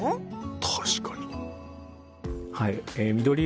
確かに。